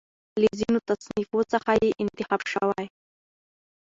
له ځینو تصانیفو څخه یې انتخاب شوی.